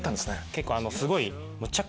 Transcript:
結構すごい。